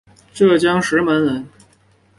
浙江石门人。